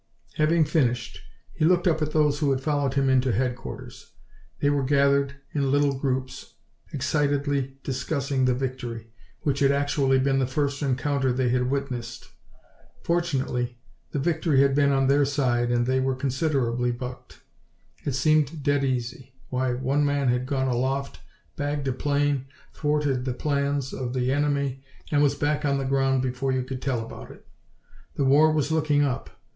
Having finished, he looked up at those who had followed him into headquarters. They were gathered in little groups, excitedly discussing the victory, which had actually been the first encounter they had witnessed. Fortunately, the victory had been on their side and they were considerably bucked. It seemed dead easy. Why, one man had gone aloft, bagged a plane, thwarted the plans of the enemy and was back on the ground before you could tell about it. The war was looking up!